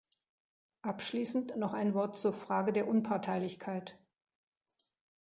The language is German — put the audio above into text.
Abschließend noch ein Wort zur Frage der Unparteilichkeit.